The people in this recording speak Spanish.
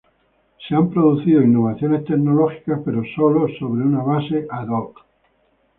Se han producido innovaciones tecnológicas, pero solo sobre una base ad hoc.